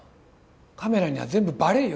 カメラには全部バレるよ